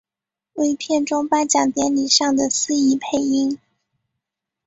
为片中颁奖典礼上的司仪配音。